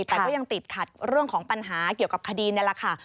แต่ก็ยังติดขัดเรื่องของปัญหาเกี่ยวกับคดีนี่แหละค่ะ